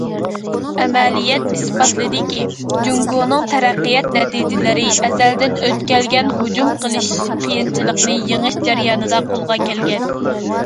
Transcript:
ئەمەلىيەت ئىسپاتلىدىكى، جۇڭگونىڭ تەرەققىيات نەتىجىلىرى ئەزەلدىن ئۆتكەلگە ھۇجۇم قىلىش، قىيىنچىلىقنى يېڭىش جەريانىدا قولغا كەلگەن.